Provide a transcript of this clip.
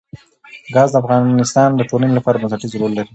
ګاز د افغانستان د ټولنې لپاره بنسټيز رول لري.